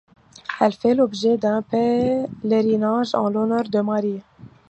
Elle fait l'objet d'un pèlerinage en l'honneur de Marie.